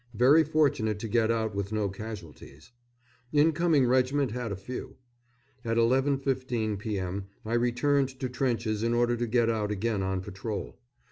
Very fortunate to get out with no casualties. Incoming regiment had a few. At 11.15 p.m. I returned to trenches in order to go out again on patrol.